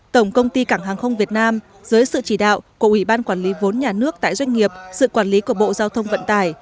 tổng công ty cảng hàng không việt nam dưới sự chỉ đạo của ủy ban quản lý vốn nhà nước tại doanh nghiệp sự quản lý của bộ giao thông vận tải